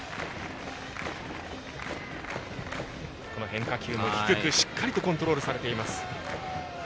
変化球も低く、しっかりとコントロールされています。